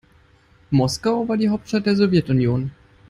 Moskau war die Hauptstadt der Sowjetunion.